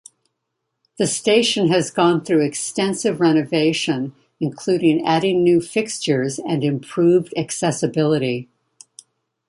The station has gone through extensive renovation including adding new fixtures and improved accessibility.